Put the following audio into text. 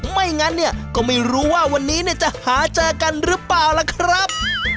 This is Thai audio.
ไม่อย่างนั้นก็ไม่รู้ว่าวันนี้จะหาเจอกันหรือเปล่าครับ